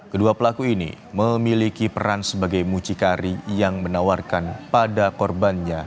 kedua pelaku ini memiliki peran sebagai mucikari yang menawarkan pada korbannya